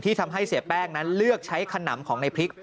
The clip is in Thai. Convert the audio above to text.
ทำให้เสียแป้งนั้นเลือกใช้ขนำของในพริก